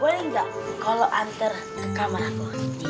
boleh nggak kalau antar ke kamar aku